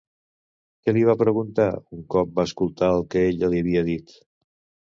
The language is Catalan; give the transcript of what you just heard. Què li va preguntar un cop va escoltar el que ella li havia dit?